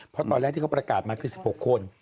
เพราะตอนแรกที่เขาประกาศมาคือ๑๖คน